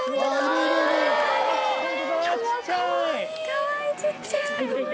かわいい！